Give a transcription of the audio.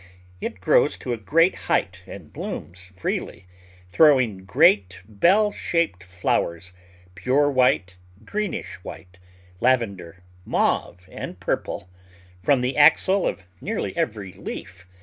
It grows to a great height and blooms freely, throwing great, bell shaped flow ers — pure white, greenish white, lavender, mauve, and purple — from the axil of nearly every leaf.